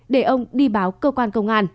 để ông đi báo cơ quan công an